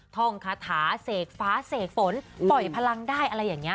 ท่องคาถาเสกฟ้าเสกฝนปล่อยพลังได้อะไรอย่างนี้